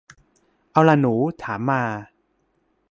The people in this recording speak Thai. เอาล่ะหนู ถามมา